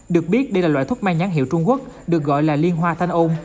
được biết đây là loại thuốc mang nhãn hiệu trung quốc được gọi là liên hoa thanh ôn